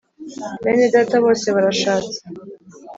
Benedata bose barashatse.